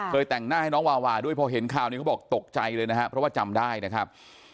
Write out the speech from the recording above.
แต่งหน้าให้น้องวาวาด้วยพอเห็นข่าวนี้เขาบอกตกใจเลยนะครับเพราะว่าจำได้นะครับ